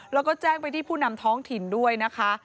แล้วก็แจ้งไปที่ผู้นำท้องถิ่นด้วยนะคะ